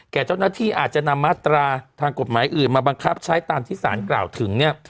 เจ้าหน้าที่อาจจะนำมาตราทางกฎหมายอื่นมาบังคับใช้ตามที่สารกล่าวถึงเนี่ย